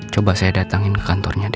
coba saya datangi kantornya deh